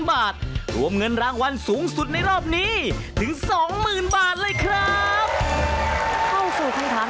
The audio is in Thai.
ว่าก่อนที่จะไปดูราคาที่เราจะให้จากทางรายการ